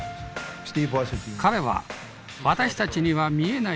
彼は私たちには見えない